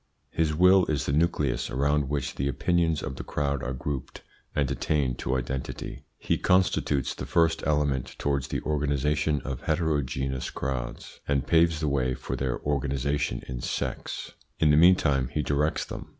His will is the nucleus around which the opinions of the crowd are grouped and attain to identity. He constitutes the first element towards the organisation of heterogeneous crowds, and paves the way for their organisation in sects; in the meantime he directs them.